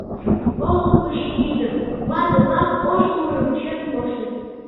Олыкыш ӱдыр, вате-влак ош тувырым чиен коштыт.